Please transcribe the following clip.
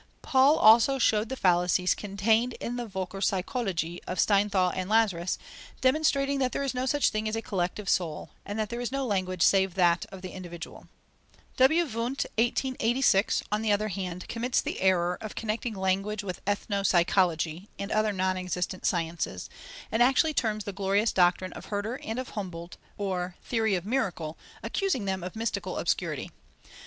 Paul also showed the fallacies contained in the Völkerpsychologie of Steinthal and Lazarus, demonstrating that there is no such thing as a collective soul, and that there is no language save that of the individual. W. Wundt (1886), on the other hand, commits the error of connecting language with Ethnopsychology and other non existent sciences, and actually terms the glorious doctrine of Herder and of Humboldt Wundertheorie, or theory of miracle, accusing them of mystical obscurity.